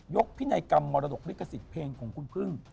ยกพินัยกรรมมรดกฤกษิตเพลงของคุณพึ่ง